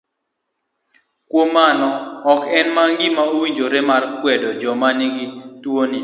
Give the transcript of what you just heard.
Kuom mano ok en gima owinjore mar kwedo joma nigi tuoni.